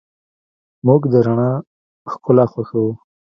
موږ د رڼا ښکلا خوښو.